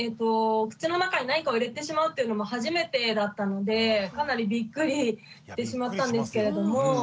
口の中に何かを入れてしまうっていうのも初めてだったのでかなりびっくりしてしまったんですけれども。